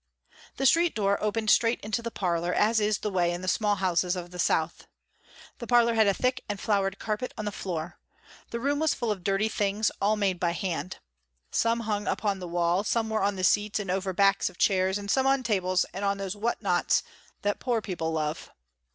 The street door opened straight into the parlor, as is the way in the small houses of the south. The parlor had a thick and flowered carpet on the floor. The room was full of dirty things all made by hand. Some hung upon the wall, some were on the seats and over backs of chairs and some on tables and on those what nots that poor people love.